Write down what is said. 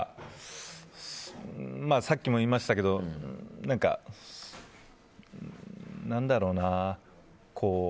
さっきも言いましたけど何だろうな。